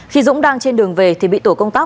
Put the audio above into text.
khi dũng đang trên đường về thì bị tổ công tác